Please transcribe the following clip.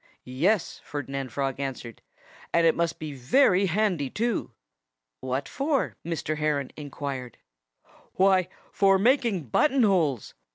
"Yes!" Ferdinand Frog answered. "And it must be very handy, too." "What for?" Mr. Heron inquired. "Why, for making button holes!"